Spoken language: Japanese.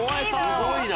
すごいな！